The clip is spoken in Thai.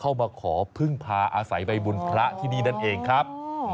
มาขอพึ่งพาอาศัยใบบุญพระที่นี่นั่นเองครับ